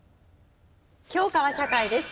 教科は社会です。